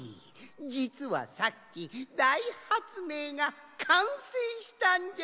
じつはさっきだいはつめいがかんせいしたんじゃ！